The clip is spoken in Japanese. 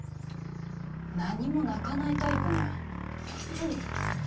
何も鳴かないタイプね。